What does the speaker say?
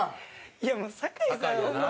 いやもう酒井さんホンマ